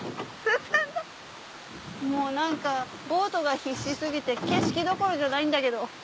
もう何かボートが必死過ぎて景色どころじゃないんだけど。